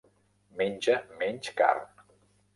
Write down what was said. Menja menys carn.